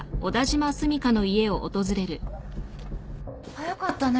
早かったね。